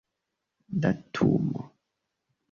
datumo